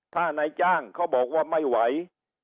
ถ้านายจ้างเขาบอกว่าไม่ไหว